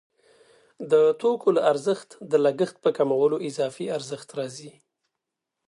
د توکو له ارزښت د لګښت په کمولو اضافي ارزښت راځي